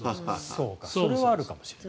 それはあるかもしれない。